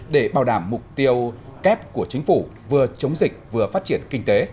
để bảo đảm mục tiêu kép của chính phủ vừa chống dịch vừa phát triển kinh tế